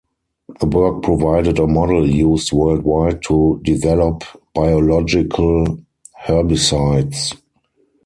The work provided a model used worldwide to develop biological herbicides.